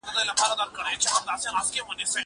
زه اوس سبا ته فکر کوم!؟